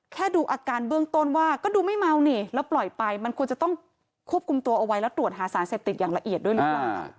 ดูอาการเบื้องต้นว่าก็ดูไม่เมานี่แล้วปล่อยไปมันควรจะต้องควบคุมตัวเอาไว้แล้วตรวจหาสารเสพติดอย่างละเอียดด้วยหรือเปล่า